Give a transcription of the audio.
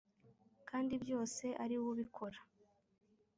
kandi byose ari we ubikora?